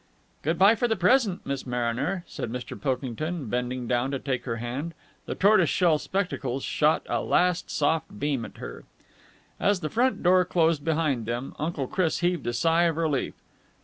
"Good bye for the present, Miss Mariner," said Mr. Pilkington, bending down to take her hand. The tortoise shell spectacles shot a last soft beam at her. As the front door closed behind them, Uncle Chris heaved a sigh of relief.